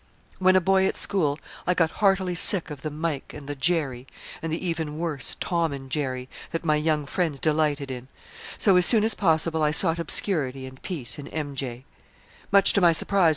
"When a boy at school I got heartily sick of the 'Mike' and the 'Jerry' and the even worse 'Tom and Jerry' that my young friends delighted in; so as soon as possible I sought obscurity and peace in 'M. J.'